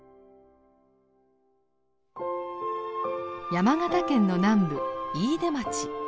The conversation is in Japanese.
山形県の南部飯豊町。